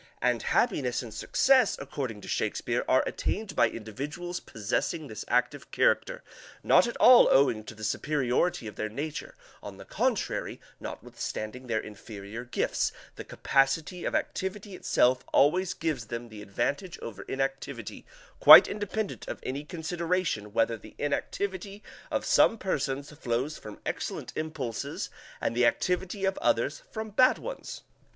And happiness and success, according to Shakespeare, are attained by individuals possessing this active character, not at all owing to the superiority of their nature; on the contrary, notwithstanding their inferior gifts, the capacity of activity itself always gives them the advantage over inactivity, quite independent of any consideration whether the inactivity of some persons flows from excellent impulses and the activity of others from bad ones.